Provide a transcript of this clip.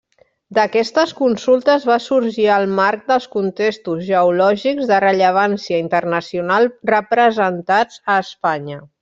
D'aquestes consultes va sorgir el marc dels contextos geològics de rellevància internacional representats a Espanya.